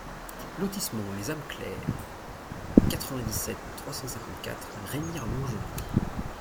Lotissement Les Ames Claires, quatre-vingt-dix-sept, trois cent cinquante-quatre Remire-Montjoly